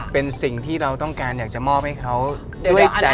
เป็นสิ่งที่เราต้องการอยากจะมอบให้เขาด้วยใจ